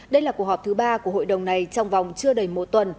đây là cuộc họp thứ ba của hội đồng này trong vòng chưa đầy một tuần